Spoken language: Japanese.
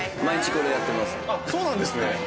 そうなんですね？